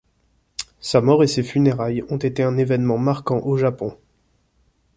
Sa mort et ses funérailles ont été un événement marquant au Japon.